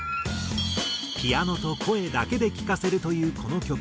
ピアノと声だけで聴かせるというこの曲。